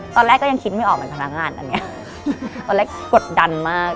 ตอนแรกก็ยังคิดไม่ออกเหมือนพนักงานอันนี้ตอนแรกกดดันมาก